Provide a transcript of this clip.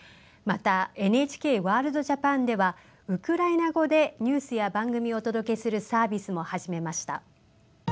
また「ＮＨＫワールドＪＡＰＡＮ」ではウクライナ語でニュースや番組をお届けするサービスも始めました。